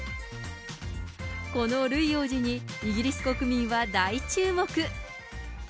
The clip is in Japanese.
このルイ王子に、イギリス国民は大注目。